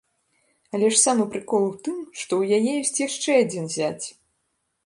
Але ж самы прыкол у тым, што ў яе ёсць яшчэ адзін зяць!